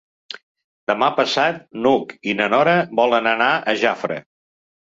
Demà passat n'Hug i na Nora volen anar a Jafre.